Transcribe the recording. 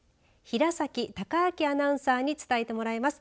平崎貴昭アナウンサーに伝えてもらいます。